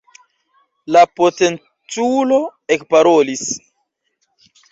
La potenculo ekparolis.